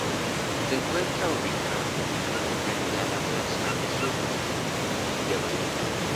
Se encuentra ubicado frente a la Plaza Sucre de Valencia.